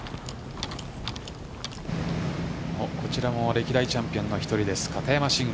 こちらも歴代チャンピオンの１人です。